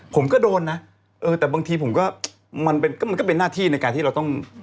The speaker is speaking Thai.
ผมก็โดนนะเออแต่บางทีผมก็มันก็เป็นหน้าที่ในการที่เราต้อง